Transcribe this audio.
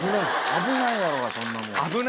危ないやろうがそんなもん。